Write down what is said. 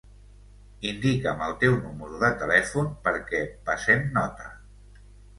Indica'm el teu número de telèfon perquè passem nota.